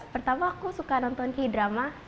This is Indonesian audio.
pertama aku suka nonton k drama